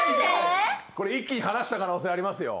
これ一気に離した可能性ありますよ。